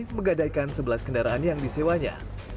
menggadaikan sebelas kendaraan yang disewanya